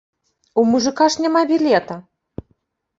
У мужыка ж няма білета!